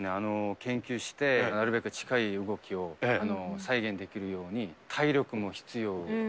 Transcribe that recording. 研究して、なるべく近い動きを再現できるように、体力も必要。